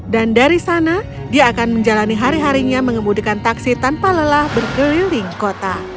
dan dari sana dia akan menjalani hari harinya mengemudikan taksi tanpa lelah berkeliling kota